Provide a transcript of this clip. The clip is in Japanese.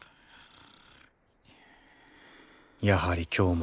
やはり今日も。